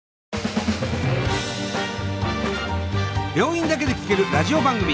病院だけで聴けるラジオ番組。